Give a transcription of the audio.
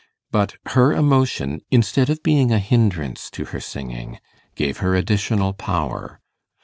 But her emotion, instead of being a hindrance to her singing, gave her additional power.